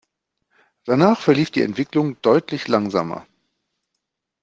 Danach verlief die Entwicklung deutlich langsamer.